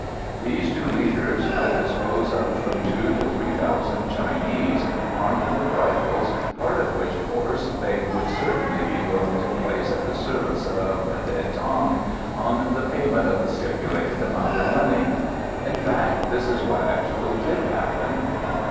These two leaders could dispose of from two to three thousand Chinese, armed with rifles, part of which force they would certainly be willing to place at the service of De Tam on the payment of a stipulated sum of money. In fact, this is what actually did happen.